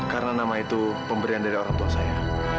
karena nama itu pemberian dari orang tua saya